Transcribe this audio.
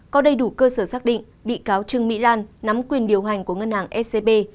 có đầy đủ cơ sở xác định bị cáo trương mỹ lan nắm quyền điều hành của ngân hàng scb